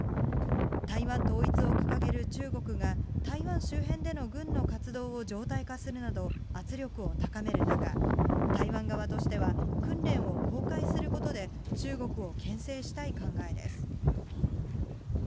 台湾統一を掲げる中国が、台湾周辺での軍の活動を常態化するなど、圧力を高める中、台湾側としては、訓練を公開することで中国をけん制したい考えです。